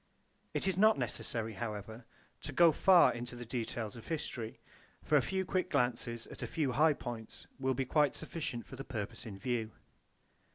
It is not necessary, however, to go far into the details of history; for a few quick glances at a few high points will be quite sufficient for the purpose in view.